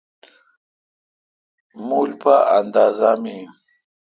مُل پا اندازا می این۔